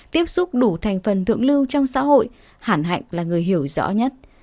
tiếp xúc đủ thành phần thượng lưu trong xã hội hẳn hạnh là người hiểu rõ nhất